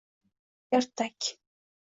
Ertak…